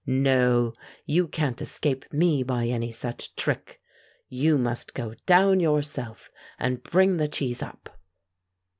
"No, you can't escape me by any such trick. You must go down yourself and bring the cheese up."